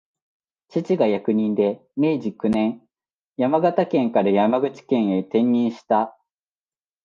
父が役人で、明治九年、山形県から山口県へ転任した